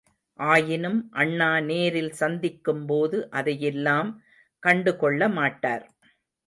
ஆயினும் அண்ணா நேரில் சந்திக்கும்போது அதையெல்லாம் கண்டு கொள்ள மாட்டார்.